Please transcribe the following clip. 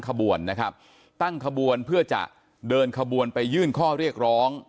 ขบวนนะครับตั้งขบวนเพื่อจะเดินขบวนไปยื่นข้อเรียกร้อง